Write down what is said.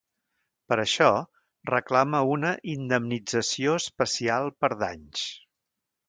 Per això, reclama una indemnització especial per danys.